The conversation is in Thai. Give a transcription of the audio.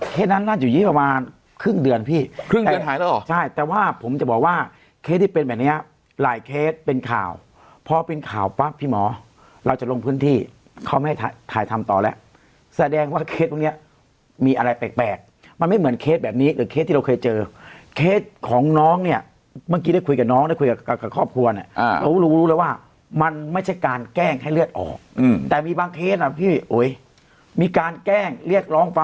เคสนั้นน่าจะอยู่ประมาณครึ่งเดือนพี่ครึ่งเดือนหายแล้วอ่ะใช่แต่ว่าผมจะบอกว่าเคสที่เป็นแบบเนี้ยหลายเคสเป็นข่าวพอเป็นข่าวปั๊บพี่หมอเราจะลงพื้นที่เขาไม่ให้ถ่ายทำต่อแล้วแสดงว่าเคสพวกเนี้ยมีอะไรแปลกแปลกมันไม่เหมือนเคสแบบนี้หรือเคสที่เราเคยเจอเคสของน้องเนี้ยเมื่อกี้ได้คุยกับน้องได้คุยกับกับครอบครัว